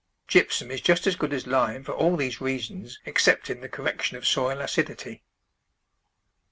Gypsum is just as good as lime for all these reasons excepting the correc tion of soil acidity.